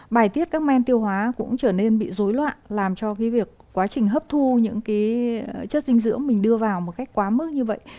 bài tiết các men tiêu hóa cũng trở nên bị dối loạn làm cho cái việc quá trình hấp thu những chất dinh dưỡng mình đưa vào một cách quá mức như vậy